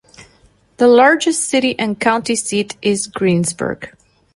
The largest city and county seat is Greensburg.